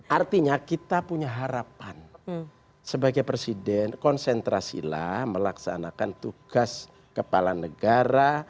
artinya kita punya harapan sebagai presiden konsentrasilah melaksanakan tugas kepala negara